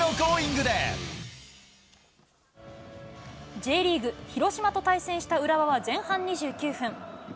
Ｊリーグ・広島と対戦した浦和は前半２９分。